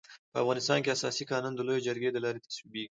په افغانستان کي اساسي قانون د لويي جرګي د لاري تصويبيږي.